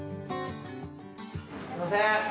すみません。